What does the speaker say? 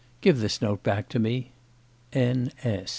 Give this note back to me. N.